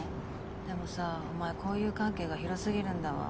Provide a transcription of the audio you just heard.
でもさお前交友関係が広すぎるんだわ。